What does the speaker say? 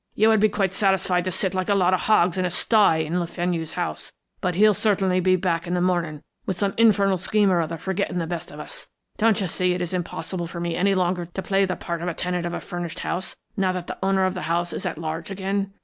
You would be quite satisfied to sit like a lot of hogs in a sty in Le Fenu's house, but he'll certainly be back in the morning with some infernal scheme or other for getting the best of us. Don't you see it is impossible for me any longer to play the part of a tenant of a furnished house, now that the owner of the house is at large again?